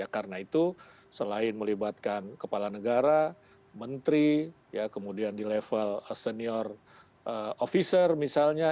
karena itu selain melibatkan kepala negara menteri kemudian di level senior officer misalnya